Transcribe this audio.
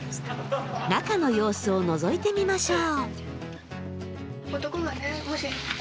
中の様子をのぞいてみましょう。